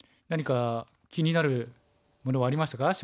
何か気になるものはありましたか？